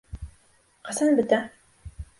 Ҡасан бөтә?